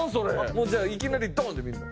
もうじゃあいきなりドンで見るの？